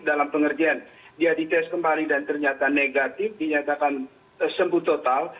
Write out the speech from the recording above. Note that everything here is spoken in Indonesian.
dalam pengertian dia dites kembali dan ternyata negatif dinyatakan sembuh total